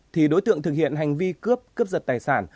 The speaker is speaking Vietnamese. thì đối tượng thực hiện hành vi cướp cướp giật tài sản